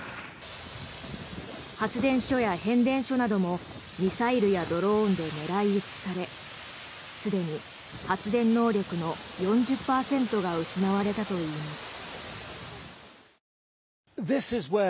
発電所や変電所などもミサイルやドローンで狙い撃ちされすでに発電能力の４０％が失われたといいます。